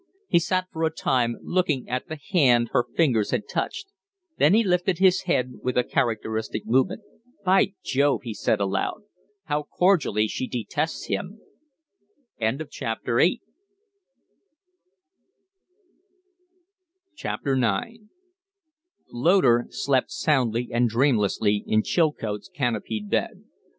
He sat for a time looking at the hand her fingers had touched; then he lifted his head with a characteristic movement. "By Jove!" he said, aloud, "how cordially she detests tests him!" IX Loder slept soundly and dreamlessly in Chilcote's canopied bed.